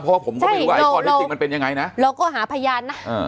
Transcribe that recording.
เพราะว่าผมก็ไม่รู้ว่าไอ้ข้อที่จริงมันเป็นยังไงนะเราก็หาพยานนะอ่า